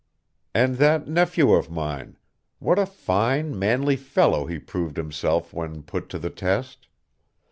And that nephew of mine what a fine, manly fellow he proved himself when put to the test!